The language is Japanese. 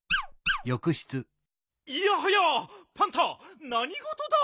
いやはやパンタなにごとだ！？